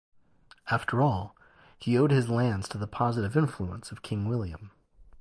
After all, he owed his lands to the positive influence of King William.